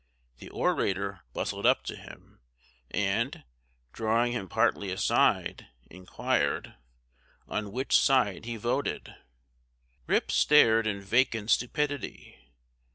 The orator bustled up to him, and, drawing him partly aside, inquired, "on which side he voted?" Rip stared in vacant stupidity.